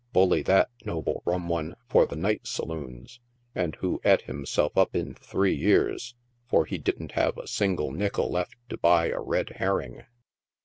(Bully, that, noble Rum one, for the night sa loons), and who eat himself up in three years, for he didn't have a single nickle left to buy a red herring.